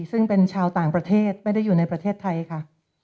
ซึ่งเป็นชาวต่างประเทศไม่ได้อยู่ในประเทศไทยค่ะ